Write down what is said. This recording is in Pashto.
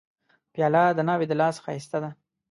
پیاله د ناوې د لاس ښایسته ده.